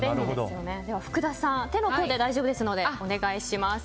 では福田さん手の甲で大丈夫ですのでお願いします。